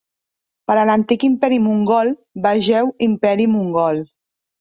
Per a l'antic imperi mongol, vegeu Imperi Mongol.